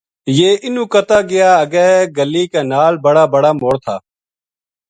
یہ اِنہوں کرتا گیا اگے گلی کے نال بڑا بڑ ا موڑ تھا